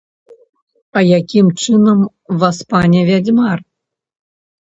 А якім чынам, васпане вядзьмар?